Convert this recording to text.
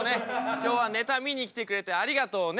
今日はネタ見に来てくれてありがとうね。